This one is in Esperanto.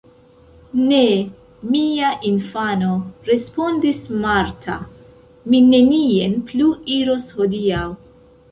Ne, mia infano, respondis Marta, mi nenien plu iros hodiaŭ.